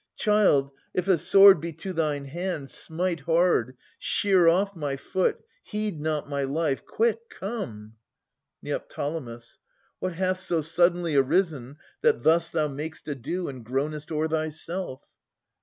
Child, if a sword be to thine hand, smite hard, Shear off my foot ! heed not my life ! Quick, come ! Neo. What hath so suddenly arisen, that thus Thou mak'st ado and groanest o'er thyself?